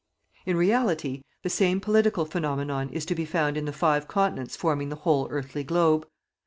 In reality the same political phenomenon is to be found in the five continents forming the whole earthly globe.